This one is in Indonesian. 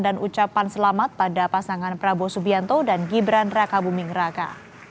dan ucapan selamat pada pasangan prabowo subianto dan gibranda kabumingraka